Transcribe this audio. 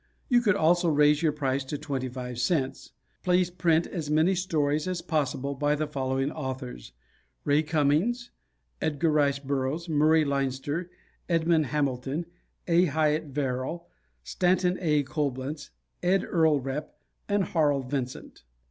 You could also raise your price to twenty five cents. Please print as many stories as possible by the following authors: Ray Cummings, Edgar Rice Burroughs, Murray Leinster, Edmond Hamilton, A. Hyatt Verrill, Stanton A. Coblentz, Ed Earl Repp and Harl Vincent.